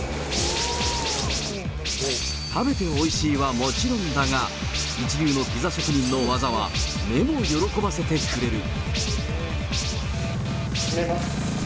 食べておいしいはもちろんだが、一流のピザ職人の技は、目も喜ばせてくれる。